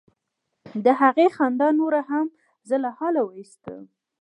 د هغې خندا نوره هم زه له حاله ویستلم.